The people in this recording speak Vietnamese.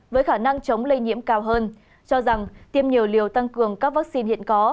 với khả năng chống lây nhiễm cao hơn cho rằng tiêm nhiều liều tăng cường các vaccine hiện có